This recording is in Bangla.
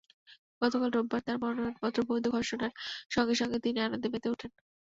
গতকাল রোববার তাঁর মনোনয়নপত্র বৈধ ঘোষণার সঙ্গে সঙ্গে তিনি আনন্দে মেতে ওঠেন।